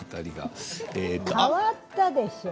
変わったでしょう？